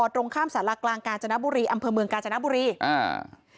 ตรงข้ามสารากลางกาญจนบุรีอำเภอเมืองกาญจนบุรีอ่า